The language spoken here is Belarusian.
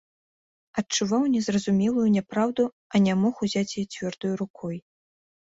Адчуваў незразумелую няпраўду, а не мог узяць яе цвёрдаю рукою.